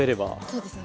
そうですね。